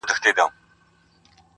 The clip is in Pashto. وايي نسته كجاوې شا ليلا ورو ورو!!